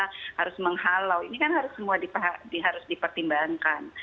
kita harus menghalau ini kan harus semua harus dipertimbangkan